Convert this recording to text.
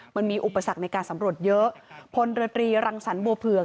มันมีอุปสรรคในการสำรวจเยอะพลเรือตรีรังสรรบัวเผือก